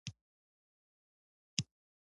کورمه او بوڼ فرق نه لري